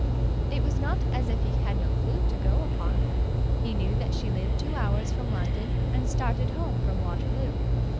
It was not as if he had no clue to go upon. He knew that she lived two hours from London and started home from Waterloo.